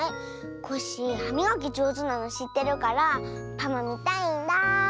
コッシーはみがきじょうずなのしってるからパマみたいんだ。